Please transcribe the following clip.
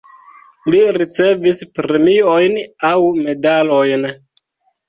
Li ricevis premiojn aŭ medalojn.